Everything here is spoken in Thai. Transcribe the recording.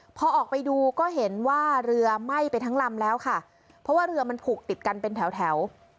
พอออกไปดูก็เห็นว่าเรือไหม้ไปทั้งลำแล้วค่ะเพราะว่าเรือมันผูกติดกันเป็นแถวแถว